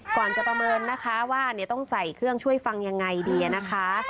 ก่อนจะประเมินนะคะว่าต้องใส่เครื่องช่วยฟังยังไงดีนะคะ